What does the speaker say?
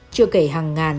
chưa kể hàng ngàn